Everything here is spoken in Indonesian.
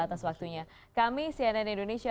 atas waktunya kami cnn indonesia